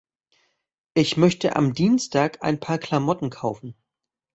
Ich möchte am Dienstag ein paar Klamotten kaufen.